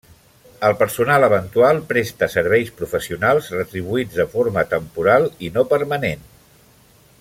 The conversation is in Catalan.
El personal eventual presta serveis professionals, retribuïts de forma temporal i no permanent.